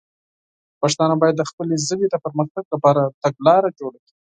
پښتانه باید د خپلې ژبې د پر مختګ لپاره تګلاره جوړه کړي.